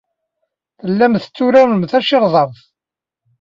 Tellam tetturarem tacirḍart.